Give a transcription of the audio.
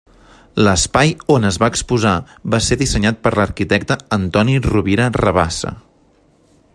L'espai on es va exposar va ser dissenyat per l'arquitecte Antoni Rovira Rabassa.